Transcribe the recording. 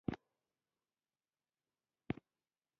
پلان یوازې د کار پیل دی